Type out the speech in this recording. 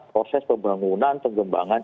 proses pembangunan pengembangan